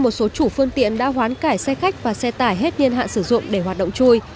một số chủ phương tiện đã hoán cải xe khách và xe tải hết niên hạn sử dụng để hoạt động chui